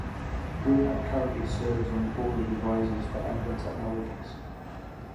Brunner currently serves on the Board of advisors for Ember Technologies.